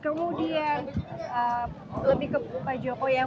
kemudian lebih ke pak jokowi ya